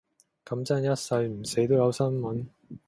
噉真係一世唔死都有新聞